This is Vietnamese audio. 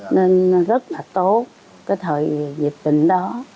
nên rất là tốt cái thời dịch bệnh đó